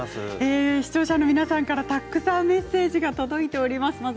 視聴者の皆さんから、たくさんメッセージが届いています。